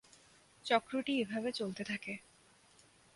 চক্রটি এভাবে চলতে থাকে।